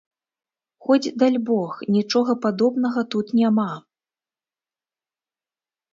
Хоць, дальбог, нічога падобнага тут няма.